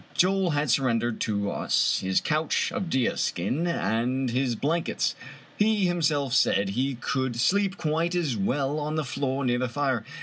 Joel had surrendered to us his couch of deer skin and his blankets ; he himself said he could sleep quite as well on the floor near the fire.